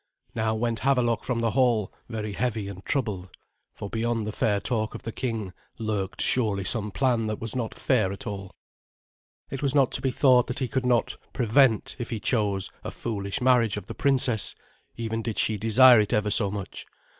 Now went Havelok from the hall very heavy and troubled, for beyond the fair talk of the king lurked surely some plan that was not fair at all. It was not to be thought that he could not prevent, if he chose, a foolish marriage of the princess, even did she desire it ever so much.